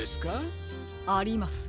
あります。